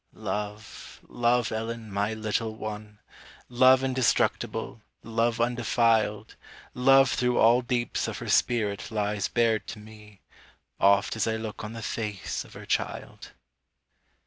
Love, love, Ellen, my little one! Love indestructible, love undefiled, Love through all deeps of her spirit lies bared to me, Oft as I look on the face of her child.